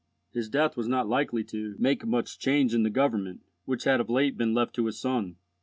His death was not likely to make much change in the government, which had of late been left to his son.